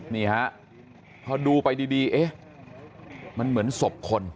นี่ครับเพราะดูไปดีมันเหมือนศพคน